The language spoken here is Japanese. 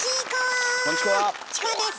チコです！